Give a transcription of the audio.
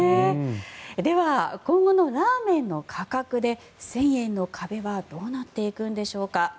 では、今後のラーメンの価格で１０００円の壁はどうなっていくんでしょうか。